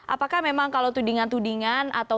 apakah memang kalau tudingan tudingan atau